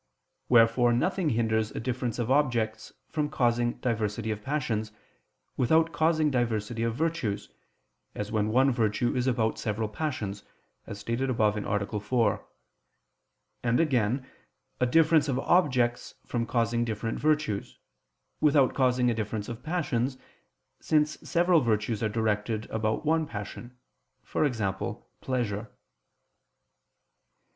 Wherefore nothing hinders a difference of objects from causing diversity of passions, without causing diversity of virtues, as when one virtue is about several passions, as stated above (A. 4); and again, a difference of objects from causing different virtues, without causing a difference of passions, since several virtues are directed about one passion, e.g. pleasure.